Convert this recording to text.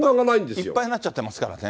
いっぱいになっちゃってますからね。